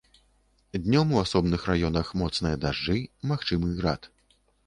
Днём у асобных раёнах моцныя дажджы, магчымы град.